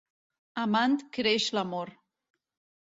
Amant creix l'amor.